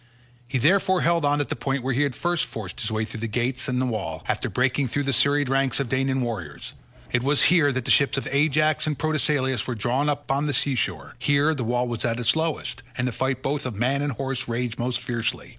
He therefore held on at the point where he had first forced his way through the gates and the wall, after breaking through the serried ranks of Danaan warriors. It was here that the ships of Ajax and Protesilaus were drawn up by the sea shore; here the wall was at its lowest, and the fight both of man and horse raged most fiercely.